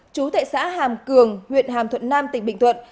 chú tại xã hàm cường huyện hàm thuận nam tỉnh bình thuận